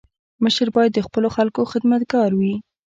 مشر باید د خپلو خلکو خدمتګار وي.